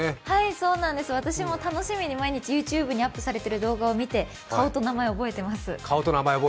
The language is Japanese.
そうなんです、私も楽しみに毎日、ＹｏｕＴｕｂｅにアップされる動画を見て、顔と名前を覚えています。